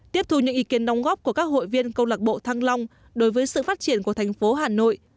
tiếp thu những ý kiến đóng góp của các hội viên câu lạc bộ thăng long đối với sự phát triển của thành phố hà nội